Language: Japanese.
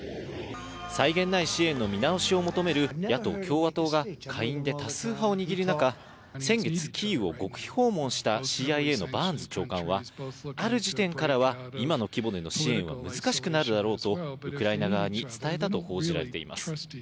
際限ない支援の見直しを求める野党・共和党が下院で多数派を握る中、先月、キーウを極秘訪問したＣＩＡのバーンズ長官は、ある時点からは今の規模での支援は難しくなるだろうと、ウクライナ側に伝えたと報じられています。